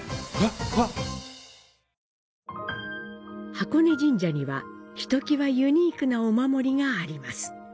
箱根神社には、ひときわユニークなお守りがあります。